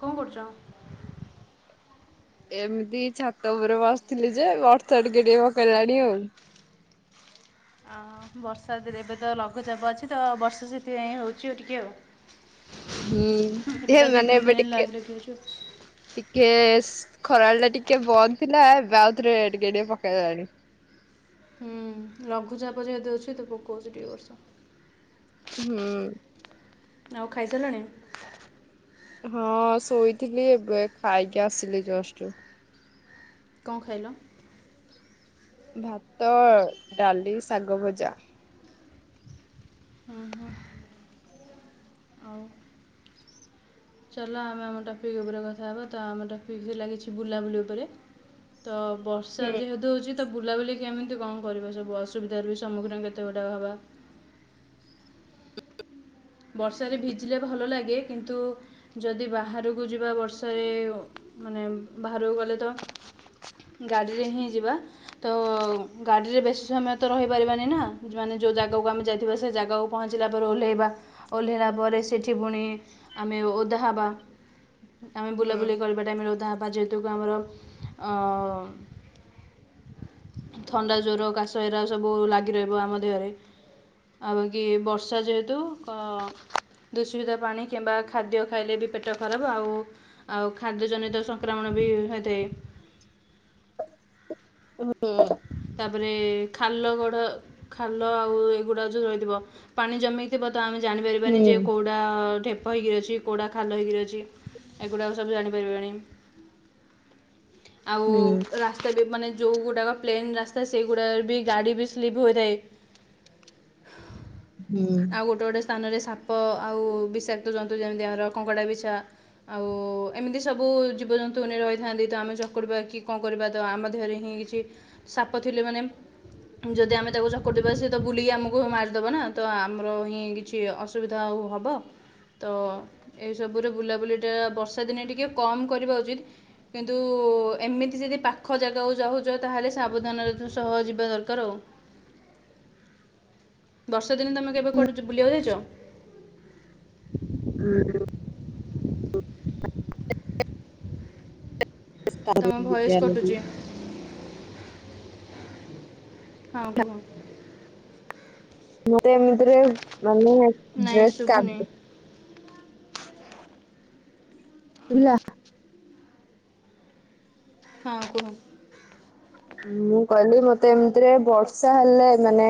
କଣ କରୁଛ? ଏମିତି ଛାତ ଉପରେ ବସିଥିଲି ଯେ, ବର୍ଷା ଟିକେ ଟିକେ ପକେଇଲାଣି ଆଉ। ଅଁ ବର୍ଷାରେ ଏବେ ତ ଲଘୁଚାପ ଅଛି ତ, ବର୍ଷା ସେଥିପାଇଁ ହେଉଛି ଆଉ ଟିକେ ଆଉ। ହୁଁ ଏବେ ହୁଏ ତ ଦି ମାନେ ତିନି ଦିନ ଏବେ ହେଲା ଟିକେ ଲାଗି ରଖି ହଉଛି ଆଉ। ଟିକେ ଖରାବେଳଟା ଟିକେ ବନ୍ଦ ଥିଲା, ଏବେ ଆଉଥରେ ଟିକେ ଟିକେ ପକେଇଲାଣି। ହୁଁ ଲଘୁଚାପ ଯେହେତୁ ଅଛି ତ ପକଉଛି ଟିକେ ବର୍ଷା। ହୁଁ। ଆଉ ଖାଇସାରିଲଣି? ହଁ ଶୋଇଥିଲି, ଏବେ ଖାଇକି ଆସିଲି ଜଷ୍ଟ। କଣ ଖାଇଲ? ଭାତ, ଡାଲି, ଶାଗ ଭଜା। ହୁଁ - ହୁଁ ଆଉ। ଚାଲ ଆମେ ଆମ ଟପିକ୍ ଉପରେ କଥା ହବା, ତ ଆମ ଟପିକ୍ ହେଲା କିଛି ବୁଲାବୁଲି ଉପରେ। ତ ବର୍ଷ ବର୍ଷା ହୁଁ ଯେହେତୁ ହଉଛି ତ ବୁଲାବୁଲି କେମିତି କଣ କରିବ? ସବୁ ଅସୁବିଧାର ବି ସମ୍ମୁଖୀନ କେତେ ଗୁଡ଼ାକ ହବା? ବର୍ଷାରେ ଭିଜିଲେ ଭଲ ଲାଗେ, କିନ୍ତୁ ଯଦି ବାହାରକୁ ଯିବା ବର୍ଷାରେ ମାନେ ବାହାରକୁ ଗଲେ ତ, ଗାଡିରେ ହିଁ ଯିବା। ତ ଗାଡ଼ିରେ ବେଶୀ ସମୟ ତ ରହିପାରିବାନି ନା, ମାନେ ଯୋଉ ଜାଗାକୁ ଆମେ ଯାଇଥିବା ସେ ଜାଗାକୁ ପହଞ୍ଚିଲା ପରେ ଓହ୍ଲେଇବା। ଓହ୍ଲେଇଲା ପରେ ସେଠି ପୁଣି ଆମେ ଓଦା ହବା। ଆମେ ହୁଁ ବୁଲାବୁଲି କରି ଟାଇମ୍ ରେ ଓଦା ହବା ଯେହେତୁ କି ଆମର ଅ ଥଣ୍ଡା, ଜ୍ୱର, କାଶ ଏରା ସବୁ ଲାଗି ରହିବ ଆମ ଦେହରେ। ଆଉ ଵାକିି ବର୍ଷା ଯେହେତୁ କ ଦୂଷିତ ପାଣି କିମ୍ବା ଖାଦ୍ୟ ଖାଇଲେ ବି ପେଟ ଖରାପ ଆଉ ଆଉ ଖାଦ୍ୟ ଜନିତ ସଂକ୍ରମଣ ବି ହୋଇଥାଏ। ହୁଁ। ତାପରେ ଖାଲ ଗଡ଼ ଖାଲ ଆଉ ଏଗୁଡ଼ା ଯେଉ ରହିଥିବ ପାଣି ଜମେଇ ଆମେ ଜାଣିପାରିବାନି ଯେ କୋଉ ହୁଁ। କଉଁଡ଼ା ଢେପ ହେ ହୋଇକିରି ଅଛି କଉଁଡ଼ା ଖାଲ ହେଇକିରି ଅଛି ଏଗୁଡ଼ାକ ସବୁ ଜାଣିପାରିବାନି। ଆଉ ହୁଁ ରାସ୍ତା ବି ମାନେ ଯୋଉ ଗୋଟାକ ପ୍ଲେନ୍ ରାସ୍ତା ସେଗୁଡ଼ାରେ ବି ଗାଡ଼ି ବି ସ୍ଲିପ୍ ହୋଇଥାଏ। ହୁଁ। ଆଉ ଗୋଟେ ଗୋଟେ ସ୍ଥାନରେ ସାପ ଆଉ ବିଷାକ୍ତ ଜନ୍ତୁ ଯେମିତି ଆମର କଙ୍କଡ଼ା ବିଛା ଆଉ ଏମିତି ସବୁ ଜୀବଜନ୍ତୁ ରହିଥାନ୍ତି ତ ଆମେ ଚକୁଡ଼ିବା କି କଣ କରିବା ତ ଆମ ଦେହରେ ହିଁ କିଛି ସାପ ଥିଲେ ମାନେ ଯଦି ଆମେ ତାକୁ ଚକଟିବା ତ ସେ ବୁଲିକି ଆମକୁ ମିଦବା ନା। ତ ଆମର ହିଁ କିଛି ଅସୁବିଧା ଆଉ ହବ? ତ ଏଇସବୁର ବୁଲାବୁଲିଟା ବର୍ଷା ଦିନେ ଟିକେ କମ୍ କରିବା ଉଚିତ। କିନ୍ତୁ ଏମିତି ଯଦି ପାଖ ଜାଗାକୁ ଯାଉଛ ତାହେଲେ ସାବଧାନରେ ସହ ଯିବା ଦରକାର ଆଉ। ବର୍ଷା ଦିନେ ତମେ କେବେ କୁଆଡ଼େ ବୁଲିବାକୁ ଯାଇଛ? ହ। ତୁମ ଭଏସ୍ କଟୁଛି [unintelligible] ହଁ କୁହ। ନାଇଁ ଶୁଭୁନି [unintelligible] [unintelligible] ହଁ କୁହ। ମୁଁ କହିଲି ମତେ ଏମିତିରେ ବର୍ଷା ହେଲେ ମାନେ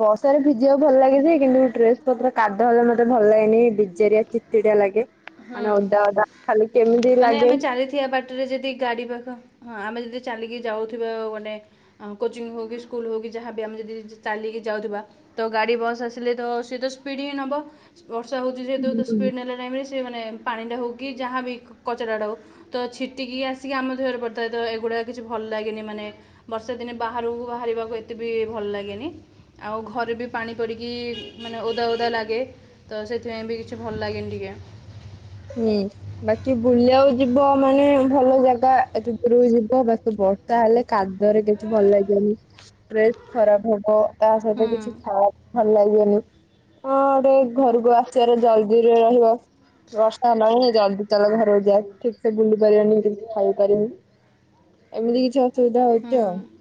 ବର୍ଷା ରେ ଭିଜିବାକୁ ଭଲ ଲାଗେ ଯେ କିନ୍ତୁ ଡ୍ରେସ ପତ୍ର କାଦୁଅ ହଲେ ମତେ ଭଲ ଲାଗେନି ଭିଜାରିଆ ଅଛି। ଚିଡା ଲାଗେ ମାନେ ହଁ ଓଦା ଓଦା ଖାଲି କେମିତି ମାନେ ଆମେ ଲାଗେ ଚାଲିଥିବା ବାଟରେ ଯଦି ଗାଡି ପାଖ ଆମେ ଯଦି ଚାଲିକି ଯାଉଥିବା ମାନେ କୋଚିଂ ହଉ କିି ସ୍କୁଲ ହଉ କିି ଯାହାଵି ଆମେ ଯଦି ଚାଲିକି ଯାଉଥିବା ତ ଗାଡି ବସ୍ ଆସିଲେ ତ ସେ ତ ସ୍ପିଡ ହିଁ ନବ ବର୍ଷା ହଉଛି ଯେତୁ ସ୍ପିଡ ନେଲା ଟାଇମ ସେ ମାନେ ପାଣିଟା ହେଉ କି ଯାହା ବି କଚରାଟା ହେଉ। ତ ଛିଟିକି ଆସିକି ଆମ ଦେହରେ ପଡ଼ିଥାଏ ତ ଏଗୁଡାକ କିଛି ଭଲ ଲାଗେନି ମାନେ ବର୍ଷା ଦିନେ ବାହାରକୁ ବାହାରିବାକୁ ଏତେ ବି ଭଲ ଲାଗେନି। ଆଉ ଘରେ ବି ପାଣି ପଡ଼ିକି ମାନେ ଓଦା ଓଦା ଲାଗେ। ତ ସେଥିପାଇଁ ବି କିଛି ଭଲ ଲାଗେନି ଟିକେ। ହୁଁ ବାକି ବୁଲିବାକୁ ଯିବ ମାନେ ଭଲ ଜାଗା ଏତେ ଦୂରକୁ ଯିବ ବାକି ବ ତାହେଲେ କାଦୁଅରେ କିଛି ଭଲ ଲାଗିବନି ଖରାପ ହବ ତା ସହିତ ହୁଁ କିଛି ଖ ଭଲ ଲାଗିବନି ହ ଗୋଟେ ଘରକୁ ଆସିବାରେ ଜଲଦିରେ ରହିବ। ବର୍ଷା ହେଲାଣି ଜଲଦି ଚାଲ ଘରକୁ ଯିଆ ଠିକସେ ବୁଲି ପାରିବନି କିଛି ଖାଇ ପାରିନି ଏମିତି କିଛି ଅସୁବିଧା ହଉଛି ଆଉ। ହୁଁ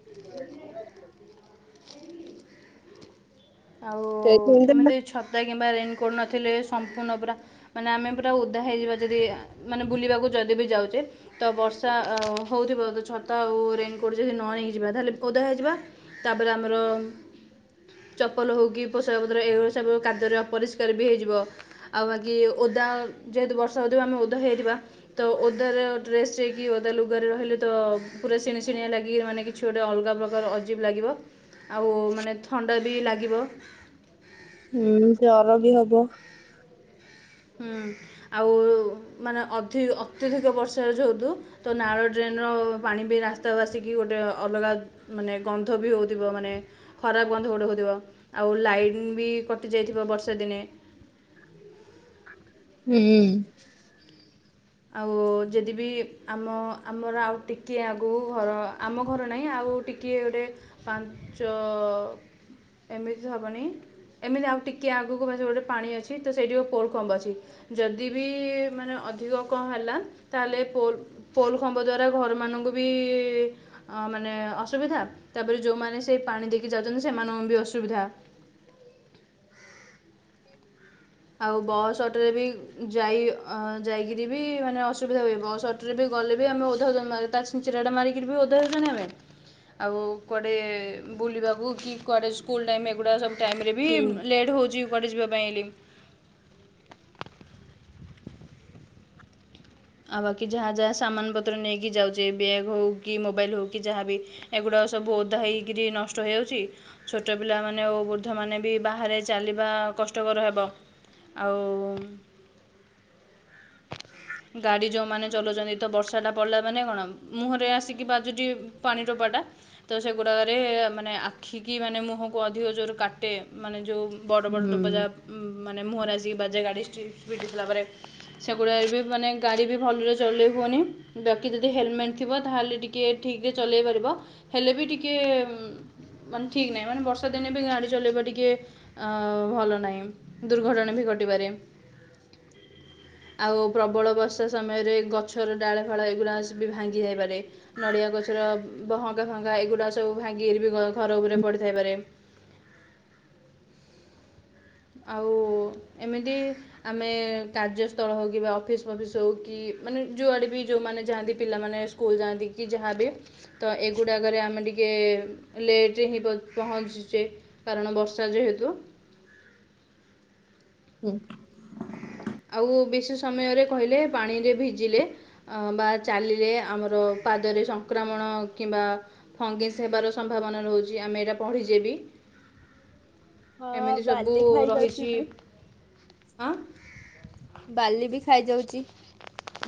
[unintelligible] [inaudible] ଆଉ ସେଇଥିପାଇଁ ତ ଏମିତି ଛତା କିମ୍ବା ରେନ୍କୋଟ୍ ନଥିଲେ ସମ୍ପୂର୍ଣ୍ଣ ପୁରା ମାନେ ଆମେ ପୁରା ୱଦା ହେଇଯିବା ଯଦି ମାନେ ବୁଲିବାକୁ ଯଦି ବି ଯାଉଛେ। ତ ବର୍ଷା ହଉଥିବ ତ ଛତା ଆଉ ରେନକୋଟ ଯଦି ନ ନେଇକିଯିବା ତାହେଲେ ଓଦା ହେଇଯିବା। ତାପରେ ଆମର ଚପଲ ହେଉ କିି ପୋଷାକ ପତ୍ର ଏଭଳି ସବୁ କାର୍ଯ୍ୟରେ ଅପରିଷ୍କାର ବି ହେଇଯିବ। ଆଉ ବାକି ଓଦା ଯେହେତୁ ବର୍ଷା ହଉଥିବ ଆମେ ଓଦା ହେଇଯିବା। ତ ଓଦାରେ ଡ୍ରେସ ଯକି ଓଦା ଲୁଗରେ ରହିଲେ ତ ପୁରା ଶିଣି ଶିଣିଆ ଲାଗିକି ମାନେ କି ମା ଛ ଗୋଟେ ଅଲଗା ପ୍ରକାର ଅଜୀବ ଲାଗିବ ଆଉ ମାନେ ଥଣ୍ଡା ବି ଲାଗିବ। ହୁଁ ସେ ଅରଗୀ ହବ। ହୁଁ ଆଉ ମାନେ ଅଧିକ ଅତ୍ୟଧିକ ବର୍ଷା ଯେହେତୁ ତ ନାଳ ଡ୍ରେନର ପାଣି ବି ରାସ୍ତାକୁ ଆସିକି ଗୋଟେ ଅ ଅଲଗା ମାନେ ଗନ୍ଧ ବି ହଉଥିବ। ମାନେ ଖରାପ୍ ଗନ୍ଧ ଗୋଟେ ହଉଥିବ। ଆଉ ଲାଇନ୍ ବି କଟି ଯାଇଥିବ ବର୍ଷା ଦିନେ। ହୁଁ! ଆଉ ଯଦିବିି ଆମ ଆମର ଆଉ ଟିକିଏ ଆଗକୁ ଘର ଆମ ଘର ନାହିଁ ଆଉ ଟିକ୍ କିଏ ଗୋଟେ ପାଞ୍ଚ ଏମିତି ହବନି। ଏମିତି ଆଉ ଟିକେ ଆଗକୁ [unintelligible] ଗୋଟେ ପାଣି ଅଛି ତ ସେଇଠି ପୋର୍ କମ୍ବ ଅଛି। ଯଦିବି ମାନେ ଅଧିକ କଁ ହେଲା ତାହେଲେ ପୋର୍ ପୋଲ୍ ଖମ୍ବ ଦ୍ଵାରା ଘରମାନଙ୍କୁ ବି ଅ ମାନେ ଅସୁବିଧା। ତାପରେ ଯୋଉମାନେ ସେଇ ପାଣି ଦେଇକି ଯାଉଚନ୍ତି ସେମାନଙ୍କୁ ବି ଅସୁବିଧା। [inaudible] ଆଉ ବସ୍ ଅଟୋରେ ବି ଯାଇ ହ ଯାଇକିରି ବି ମାନେ ଅସୁବିଧା ହୁଏ ବସ ଟ୍ରେ ବି ଗଲେ ବି ଆମେ [unintelligible] [unintelligible] ଚିଡା ମାରିକିରି ବି ଓଧ ହୋଉଚନ୍ତି ଆମେ। ଆଉ କୁଆଡେ ବୁଲିବାକୁ କି କୁଆଡେ ସ୍କୁଲ୍ ଟାଇମ୍ ଏଗୁଡା ସବୁ ଟାଇମ୍ରେ ବି ହୁଁ। ଲେଟ୍ ହଉଚି କୁଆଡ଼େ ଯିବା ପାଇଁ ହେଲି। ଆଉ ବାକି ଯାହା ଯା ସାମାନ୍ ପତ୍ର ନେଇକି ଯାଉଚେ ବ୍ୟାଗ୍ ହଉ କି ମୋବାଇଲ ହଉ କି ଯାହାବି। ଏଗୁଡା ସବୁ ଓଦା ହେଇକିରି ନଷ୍ଟ ହେଇଯାଉଚି। ଛୋଟ ପିଲାମାନେ ଓ ବୃଦ୍ଧମାନେ ବି ବାହାରେ ଚାଲିବା କଷ୍ଟକର ହେବ। ଆଉ ଗାଡି ଯୋଉମାନେ ଚଲଉଚନ୍ତି ତ ବର୍ଷାଟା ପଡିଲା ମାନେ କଣ ମୁହଁରେ ଆସିକି ବାଜୁଜି ପାଣିି ଟୋପାଟା। ତ ସେଗୁଡାକରେ ମାନେ ଆଖିକି ମାନେ ମୁହଁକୁ ଅଧିକ ଜୋର୍ କାଟେ ମାନେ ଯୋଉ ବଡ ବଡ ଟୋପଜା ହୁଁ। ଉମ୍ ମାନେ ମୁହଁରେ ଆସିକି ବାଜେ ଗାଡି ଷ୍ଟ୍ରି ସ୍ପିଡି ଥିଲା ପରେ। ସେଗୁଡାକ ବି ମାନେ ଗାଡି ବି ଭଲରେ ଚଲେଇ ହୁଏନି ବାକି ଯଦି ହେଲମେଟ୍ ଥିବ ତାହେଲେ ଟିକ୍ କେ ଠିକ୍ରେ ଚଲେଇ ପାରିବ ହେଲେ ବି ଟିକେ ଉମ୍ ମାନେ ଠିକ୍ ନାଇଁ ମାନେ ବର୍ଷା ଦିନେ ବି ଗାଡି ଚଲେଇବା ଟିକେ ଅ ଭଲ ନାଇଁ ଦୁର୍ଘଟଣା ବି ଘଟିପାରେ। ଆଉ ପ୍ରବଳ ବର୍ଷା ସମୟରେ ଗଛର ଡାଳଫାଳ ଏଗୁରା ସବୁବି ଭାଙ୍ଗି ଯାଇପାରେ। ନଡିଆ ଗଛର ବହଙ୍ଗାଫଅଙ୍ଗା ଏଗୁଡା ସବୁ ଭାଙ୍ଗିରି ବି ଘ ଘର ଉପରେ ହୁଁ ପଡିଥାଇପାରେ। ଆଉ ଏମିତି ଆମେ କାର୍ଯ୍ୟସ୍ଥଳ ହଉ କିବା ଅଫିସ୍ ଫଫିସ୍ ହଉ କି ମାନେ ଯୁଆଡ଼େ ବି ଯୋଉମାନେ ଯାଆନ୍ତି ପିଲାମାନେ ସୁ [unintelligible] ଯାଆନ୍ତି କି ଯାହାବି। ତ ଏଗୁଡ଼ାକରେ ଆମେ ଟିକେ ଲେଟ୍ରେ ହିଁ ପଂ ପଂହଁଚିଚେ। କାରଣ ବର୍ଷା ଯେହେତୁ। ହୁଁ! ଆଉ ବିଶୀ ସମୟରେ କହିଲେ ପାଣିରେ ଭିଜିଲେ ଅ ବା ଚାଲିରେ ଆମର ପାଦରେ ସଂକ୍ରାମଣ କିମ୍ବା ଫଙ୍ଗେସ୍ ହେବାର ସମ୍ଭାବନା ରୋହୁଛି, ଆମେ ଏଇଟା ପଢିଚେ ବି। ହଁ ଏମିତି ସବୁ ବାଲି ଖାଇ ଯାଉଚି ରହିଛି ବି। ଆଁ ବାଲି ବି ଖାଇ ଯାଉଚି।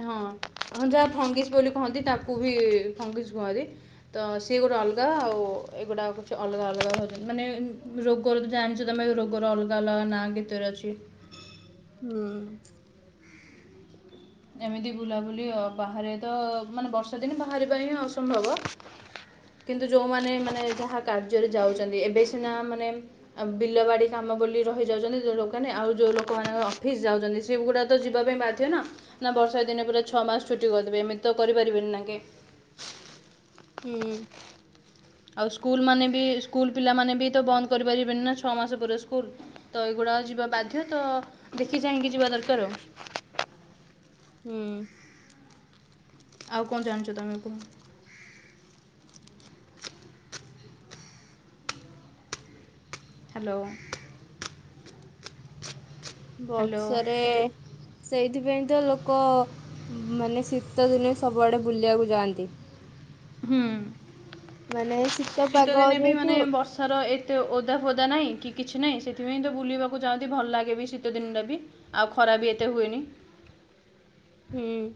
ହଁ ଆପଣ ଯାହା ଫଙ୍ଗେସ୍ ବୋଲି କହନ୍ତି ତାକୁ ବି ଫଙ୍ଗେସ୍ କୁହନ୍ତି। ତ ସିଏ ଗୋଟେ ଅଲ୍ଗା, ଆଉ ଏଗୁଡ଼ା କିଛି ଅଲଗା ଅଲଗା ହେଉଛନ୍ତି ମାନେ ଉ ରୋଗର ତ ଜାଣିଛ ତମେ ରୋଗର ଅଲଗା ଅଲଗା ନାଁ କେତେରେ ଅଛି। ହୁଁ। ଯେମିତି ବୁଲାବୁଲି ଅ ବାହାରେ ତ ମାନେ ବର୍ଷା ଦିନେ ବାହାରିବା ହିଁ ଅସମ୍ଭବ। କିନ୍ତୁ ଯୋଉମାନେ ମାନେ ଯାହା କାର୍ଯ୍ୟରେ ଯାଉଚନ୍ତି, ଏବେ ସିନା ମାନେ ଆଉ ବିଲ ବାଡି କାମ ବୋଲି ରହି ଯାଉଛନ୍ତି ଯୋ ଲୋକନ ଆଉ ଯୋଉ ଲୋକାମାନେ ଅଫିସ୍ ଯାଉଛନ୍ତି ଟ୍ରିପଗୁଡା ତ ଯିବା ପାଇଁ ବାଧ୍ୟ ନା, ନା ବର୍ଷା ଦିନେ ପୁରା ଛଅ ମାସ୍ ଛୁଟି କରିଦେବେ ଏମିତି ତ କରିପାରିବେନି ନାଙ୍କେ। ହୁଁ। ଆଉ ସ୍କୁଲ ମାନେ ବି ସ୍କୁଲ ପିଲାମାନେ ବି ତ ବନ୍ଦ କରିପାରିବେନି ନା ଛଅ ମାସ ପରେ ସ୍କୁଲ ତ ଏଇଗୁଡା ଯିବା ବାଧ୍ୟ ତ ଦେଖି ଚାହିଁକି ଯିବା ଦରକାର ଆଉ। ହୁଁ। ଆଉ କଣ ଜାଣିଛ ତୁମେ କୁହ। [inaudible] ହାଲୋ। ହ୍ୟାଲୋ ବର୍ଷାରେ ସେଇଥିପାଇଁ ତ ଲୋକ ମାନେ ଶୀତ ଦିନେ ସବୁଆଡେ ବୁଲିଆକୁ ଯାଆନ୍ତି। ହୁଁ। ମାନେ ଶୀତ ପାଗ ଯେହେତୁ ସାର ଏତେ ଓଦା ଫଦା ନାହିଁ କି କିଛି ନାହିଁ ସେଥିପାଇଁ ତ ବୁଲିବାକୁ ଯାଁନ୍ତି ଭଲ ଲାଗେ ବି ଶୀତଦିନଟା ବି ଆଉ ଖରା ବି ଏତେ ହୁଏନି। ହୁଁ।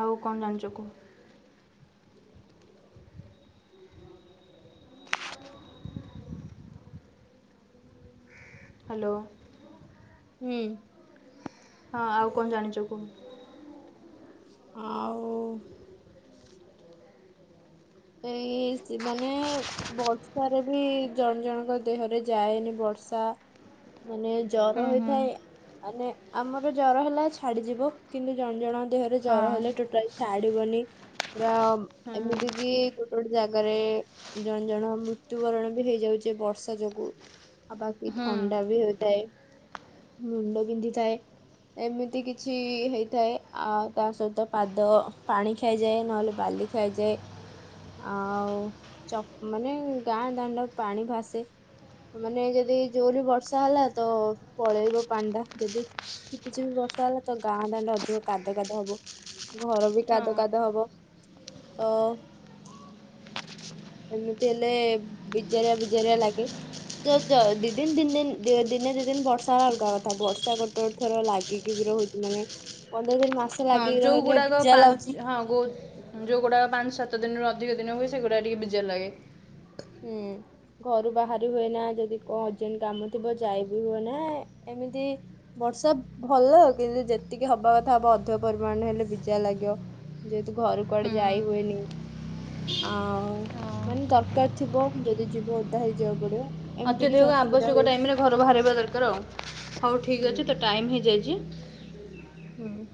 ଆଉ କଣ ଜାଣିଛ କୁହ। ହାଲୋ। ହୁଁ। ହଁ ଆଉ କଣ ଜାଣିଛ କୁହ। ଆ ଏଇ ମାନେ ବର୍ଷାରେ ବି ଜଣ ଜଣଙ୍କ ଦେହରେ ଯାଏନି ବର୍ଷା ମାନେ ହୁଁ ଜର ହୁଁ ହେଇଥାଏ। ମାନେ ଆମର ଜର ହେଲା ଛାଡିଯିବ କିନ୍ତୁ ଜଣ ଜଣ ଦେହରେ ହଁ ଜର ହେଲେ ଟୋଟାଲ ଛାଡିବନି ପୁରା ହଁ ଏମିତି କି ଗୋଟେ ଗୋଟେ ଜାଗାରେ ଜଣ ଜଣ ମୃତ୍ୟୁବରଣ ବି ହେଇଯାଉଛି ବର୍ଷା ଯୋଗୁ। ଆଉ ବାକି ହୁଁ ଥଣ୍ଡା ବି ହୋଇଥାଏ ମୁଣ୍ଡ ବିନ୍ଧିଥାଏ। ଏମିତି କିଛି ହେଇଥାଏ ଆ ତା ସହିତ ପାଦ ପାଣି ଖାଇଯାଏ ନହେଲେ ବାଲି ଖାଇଯାଏ। ଆଉ ମାନେ ଗାଁ ଦାଣ୍ଡ ପାଣି ଭାସେ। ମାନେ ଯଦି ଜୋରି ବର୍ଷା ହେଲା ତ ପଳେଇବ ପାଣି ଟା ଯଦି ଚିପି ଚିପି ବର୍ଷା ହେଲା ତ ଗାଁ ଦାଣ୍ଡ ଅଧିକ କାଦ କାଦ ହବ। ଘର ବି ହଁ କାଦ କାଦ ହବ ତ ଏମିତି ହେଲେ ବିଜାରିଆ ବିଜାରିଆ ଲାଗେ। ଯୋ ଦି ଦିନ ତିନ ଦିନ ଦିନେ ଦି ଦିନ ବର୍ଷା ର ଅଲଗା କଥା ବର୍ଷା ଗୋଟେ ଗୋଟେ ଥର ଲାଗେ ଗିକି ବି ରହୁଛି ମାନେ ପନ୍ଦର ଦିନି ମାସେ ହଁ ଲାଗିକି ରହିଲେ ଯେଉଁଗୁଡ଼ାକ ବିଜା ଲାଗୁଛି। ପାଞ୍ଚ ହଁ ଗୋ ଯେଉଁଗୁଡ଼ାକ ପାଞ୍ଚ ସାତ ଦିନରୁ ଅଧିକ ଦିନ ହୁଏ ସେଗୁଡ଼ା ଟିକେ ବିଜାର ଲାଗେ। ହୁଁ। ଘରୁ ବାହାରି ହୁଏ ନା ଯଦି କଣ ଅର୍ଜେଣ୍ଟ କାମ ଥିବ ଯାଇବି ହୁଏ ନା ଏମିତି ବର୍ଷା ଭଲ କିନ୍ତୁ ଯେତିକି ହବା କଥା ହବ ଅଧିକ ପରିମାଣରେ ହେଲେ ବିଜା ଲାଗିବ। ଯେହେତୁ ଘର କୁଆଡେ ହୁଁ ଯାଇ ହୁଏନି ଆଉ ହଁ ମାନେ ଦରକାର ଦରକାର ଥିବ ଯଦି ଯିବ ଓଦା ହେଇଯିବାକୁ ପଡିବ। ଏମିତି କିଛି ଅତ୍ୟଧିକ ଅସୁବିଧା ଆବଶ୍ୟକ ହୁଏ ଟାଇମ ରେ ଘର ବାହାରିବା ଦରକାର ଆଉ ହଉ ଠିକ୍ ହୁଁ ଅଛି ତ ଟାଇମ୍ ହେଇଯାଇଛି। ହଁ।